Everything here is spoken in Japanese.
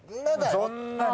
そんなに。